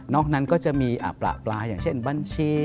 นั้นก็จะมีประปลาอย่างเช่นบัญชี